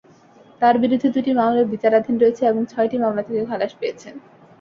তাঁর বিরুদ্ধে দুটি মামলা বিচারাধীন রয়েছে এবং ছয়টি মামলা থেকে খালাস পেয়েছেন।